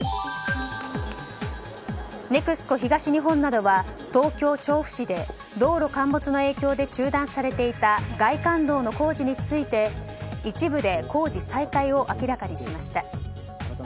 ＮＥＸＣＯ東日本などは東京・調布市で道路陥没の影響で中断されていた外環道の工事について一部で工事再開を明らかにしました。